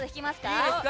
いいですか？